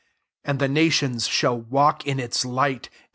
24 And the nations shall walk in its light: and.